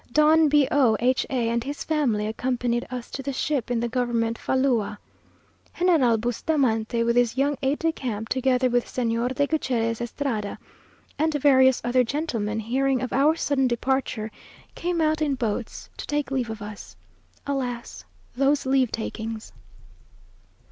Don B o H a and his family accompanied us to the ship in the government falua. General Bustamante, with his young aide de camp, together with Señor de Gutierrez Estrada, and various other gentlemen, hearing of our sudden departure, came out in boats to take leave of us. Alas! those leave takings.